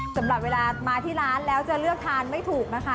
สำหรับเวลามาที่ร้านแล้วจะเลือกทานไม่ถูกนะคะ